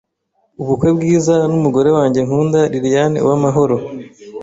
ubukwe bwiza n’umugore wanjye nkunda Liliane UWAMAHORO, t